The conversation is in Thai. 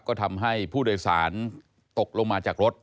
ก็ทำให้ผู้โดยสารตกลงมาจากรถ